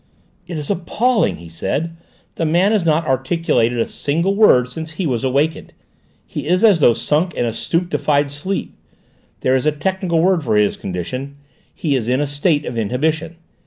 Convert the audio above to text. "It is appalling!" he said. "The man has not articulated a single word since he was awakened. He is as though sunk in a stupefied sleep. There is a technical word for his condition: he is in a state of inhibition.